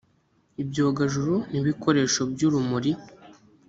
ibyogajuru n ibikoresho by urumuri